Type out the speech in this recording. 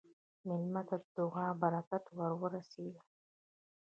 مېلمه ته د دعا برکت ورسېږه.